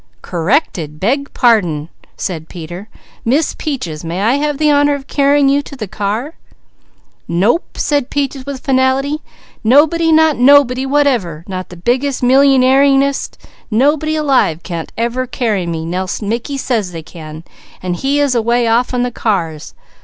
"Corrected! Beg pardon!" said Peter. "Miss Peaches, may I have the honour of carrying you to the car?" "Nope," said Peaches with finality. "Nobody, not nobody whatever, not the biggest, millyingairest nobody alive can't ever carry me, nelse Mickey says they can, and he is away off on the cars.